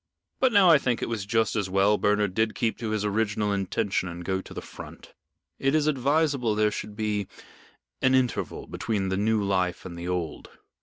But now I think it was just as well Bernard did keep to his original intention and go to the Front. It is advisable there should be an interval between the new life and the old."